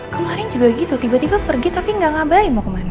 kemarin juga gitu tiba tiba pergi tapi nggak ngabarin mau kemana